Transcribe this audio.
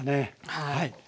はい。